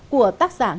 của tác giả ngọc huyền